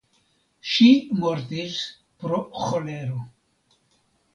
Ŝi mortis pro ĥolero.